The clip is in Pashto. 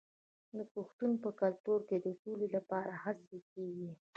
د پښتنو په کلتور کې د سولې لپاره هڅې کیږي.